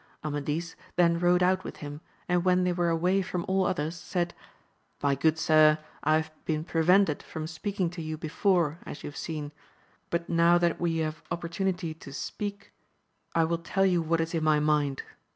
Amadis then rode out with him, and when they were away from all others, said, My good sir, I have been prevented from speaking to you before, as you have seen; but now that we have opportunity to • speak, I will tell you what is in my mind.